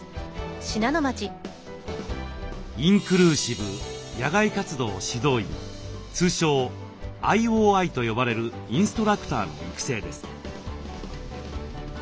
インクルーシブ野外活動指導員通称ＩＯＩと呼ばれるインストラクターの育成です。